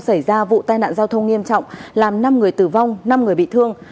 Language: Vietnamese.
xảy ra vụ tai nạn giao thông nghiêm trọng làm năm người tử vong năm người bị thương